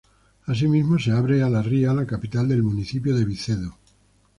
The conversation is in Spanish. Así mismo, se abre a la ría la capital del municipio de Vicedo.